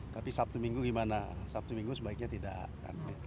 tapi sabtu minggu gimana sabtu minggu sebaiknya tidak kan